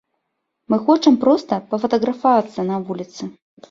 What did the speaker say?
Мы хочам проста пафатаграфавацца на вуліцы.